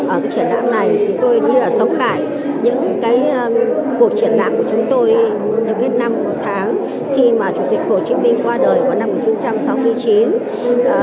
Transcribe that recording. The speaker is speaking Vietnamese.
ở cái triển lãm này thì tôi nghĩ là sống lại những cái cuộc triển lãm của chúng tôi được biết năm tháng khi mà chủ tịch hồ chí minh qua đời vào năm một nghìn chín trăm sáu mươi chín